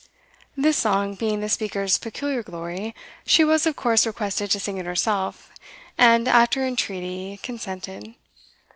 This song being the speaker's peculiar glory, she was of course requested to sing it herself, and, after entreaty, consented.